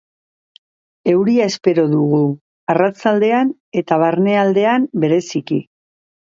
Euria espero dugu, arratsaldean eta barnealdean bereziki.